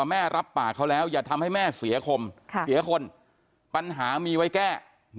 แม่รับปากเขาแล้วอย่าทำให้แม่เสียคมเสียคนปัญหามีไว้แก้